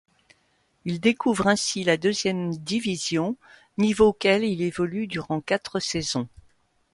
Il découvre ainsi la deuxième division, niveau auquel il évolue durant quatre saisons.